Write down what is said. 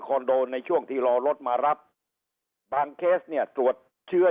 โดในช่วงที่รอรถมารับบางเคสเนี่ยตรวจเชื้อ